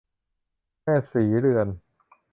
แม่ศรีเรือน